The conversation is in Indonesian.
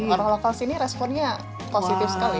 orang lokal sini responnya positif sekali